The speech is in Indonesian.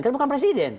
kan bukan presiden